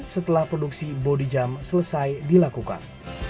setelah produksi bodi jump selesai dilakukan